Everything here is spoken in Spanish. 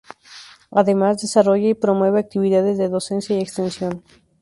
Además, desarrolla y promueve actividades de docencia y extensión.